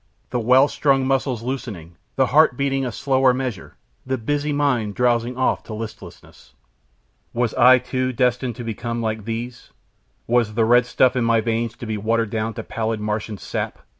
The well strung muscles loosening, the heart beating a slower measure, the busy mind drowsing off to listlessness. Was I, too, destined to become like these? Was the red stuff in my veins to be watered down to pallid Martian sap?